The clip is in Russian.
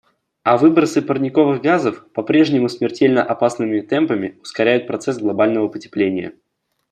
А выбросы парниковых газов попрежнему смертельно опасными темпами ускоряют процесс глобального потепления.